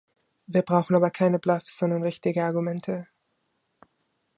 Wir brauchen aber keine Bluffs, sondern richtige Argumente.